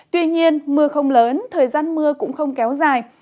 tuy nhiên mưa không lớn thời gian mưa cũng không kéo dài